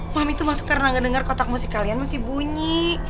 mami tuh karena gak denger kotak musik kalian masih bunyi